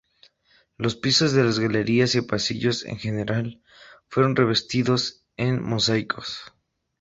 Los pisos de las galerías y pasillos en general, fueron revestidos en mosaicos.